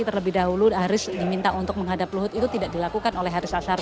terlebih dahulu haris diminta untuk menghadap luhut itu tidak dilakukan oleh haris azhar